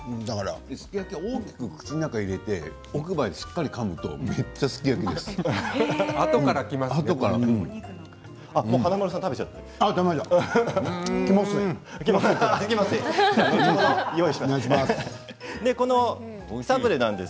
大きく口の中に入れて奥歯でしっかりかむとめっちゃすき焼きです